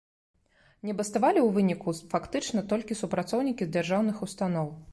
Не баставалі ў выніку фактычна толькі супрацоўнікі дзяржаўных устаноў.